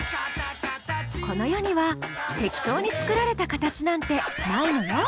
この世には適当に作られたカタチなんてないのよ。